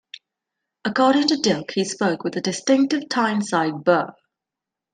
According to Dilke he spoke with a distinctive Tyneside burr.